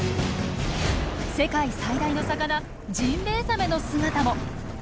世界最大の魚ジンベエザメの姿も。